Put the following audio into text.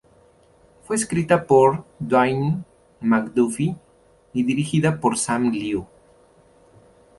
Fue escrita por Dwayne McDuffie y dirigida por Sam Liu.